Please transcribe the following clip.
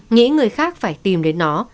nghĩ người khác phải tìm đến nó